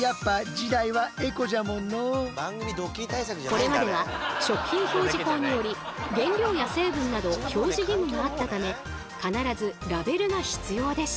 これまでは食品表示法により原料や成分など表示義務があったため必ずラベルが必要でした。